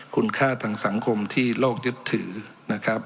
คุณค่าทางสังคมที่โลกยึดถือนะครับ